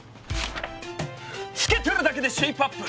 つけてるだけでシェイプアップ！